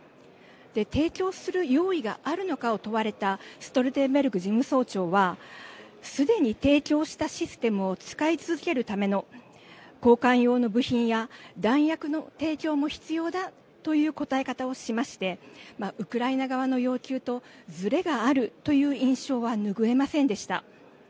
で、提供する用意があるのかを問われたストルテンベルグ事務総長はすでに提供したシステムを使い続けるための交換用の部品や弾薬の提供も必要だという答え方をしましてウクライナ側の要求とずれがあるという印象は拭えませんでした。